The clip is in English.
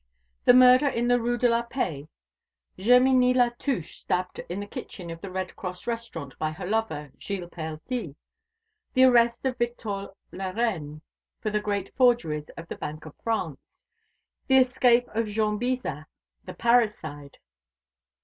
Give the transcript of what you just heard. "The Murder in the Rue de la Paix," "Germinie Latouche stabbed in the kitchen of the Red Cross Restaurant by her lover, Gilles Perdie;" "The Arrest of Victor Larennes for the great forgeries on the Bank of France;" "The Escape of Jean Bizat, the parricide."